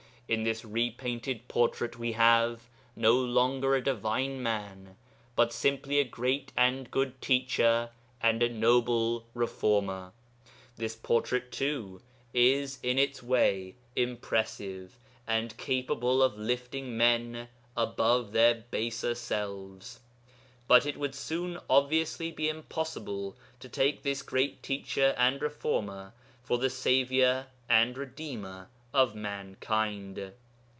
In this re painted portrait we have, no longer a divine man, but simply a great and good Teacher and a noble Reformer. This portrait too is in its way impressive, and capable of lifting men above their baser selves, but it would obviously be impossible to take this great Teacher and Reformer for the Saviour and Redeemer of mankind.